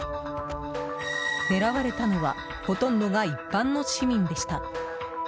狙われたのはほとんどが一般の市民でした。